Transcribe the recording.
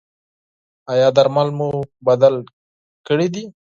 ایا درمل مو بدل کړي دي؟